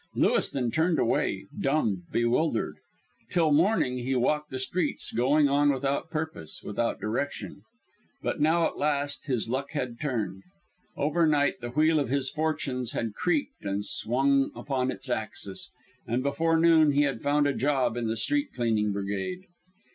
Lewiston turned away, dumb, bewildered. Till morning he walked the streets, going on without purpose, without direction. But now at last his luck had turned. Overnight the wheel of his fortunes had creaked and swung upon its axis, and before noon he had found a job in the street cleaning brigade.